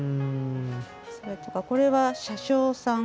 それとかこれは車掌さん。